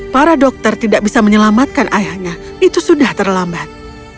para dokter tidak bisa menyelamatkan ayahnya itu sudah terlambat